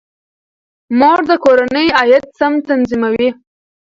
مور د کورنۍ عاید سم تنظیموي.